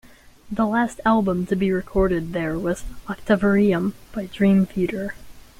The last album to be recorded there was "Octavarium" by Dream Theater.